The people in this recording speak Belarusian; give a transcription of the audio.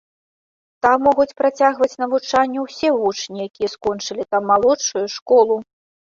Там могуць працягваць навучанне ўсе вучні, якія скончылі там малодшую школу.